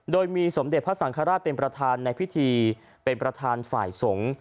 โดยมีสมเด็จพระสังฆราชเป็นประธานในพิธีเป็นประธานฝ่ายสงฆ์